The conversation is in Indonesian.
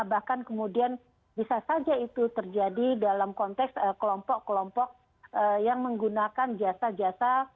bahkan kemudian bisa saja itu terjadi dalam konteks kelompok kelompok yang menggunakan jasa jasa